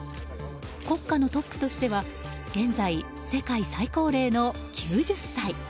国家のトップとしては現在、世界最高齢の９０歳。